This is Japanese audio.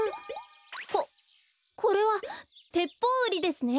おっこれはテッポウウリですね。